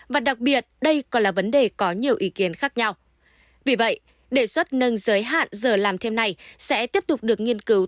vì vậy đề xuất nâng giới hạn giờ làm thêm này sẽ tiếp tục được nghiên cứu